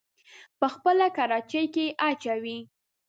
په خپله کراچۍ کې يې اچوي.